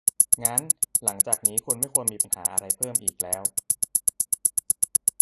งั้น หลังจากนี้คุณไม่ควรมีปัญหาอะไรเพิ่มอีกแล้ว